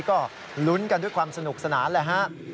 ก็ลุ้นกันด้วยความสนุกสนานแหละฮะ